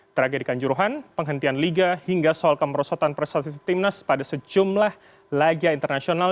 tragedi kanjuruhan penghentian liga hingga soal kemerosotan prestasi timnas pada sejumlah laga internasional